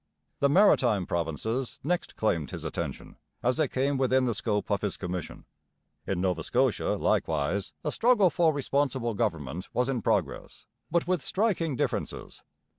The Maritime Provinces next claimed his attention, as they came within the scope of his commission. In Nova Scotia, likewise, a struggle for responsible government was in progress, but with striking differences.